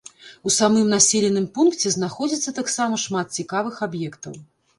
У самым населеным пункце знаходзіцца таксама шмат цікавых аб'ектаў.